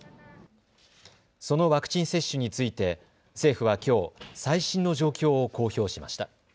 そのワクチン接種について政府はきょう最新の状況を公表しました。